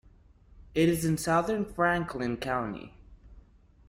It is in southern Franklin County.